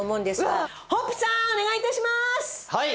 はい！